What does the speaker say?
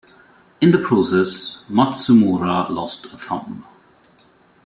In the process, Matsumora lost a thumb.